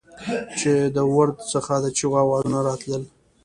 چې د ورد څخه د چېغو اوزونه راتلل.